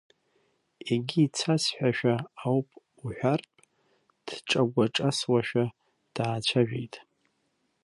Егьи цасҳәашәа ауп уҳәартә, дҿагәаҿасуашәа даацәажәеит…